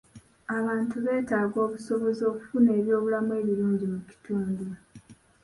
Abantu beetaaga obusobozi okufuna ebyobulamu ebirungi mu kitundu.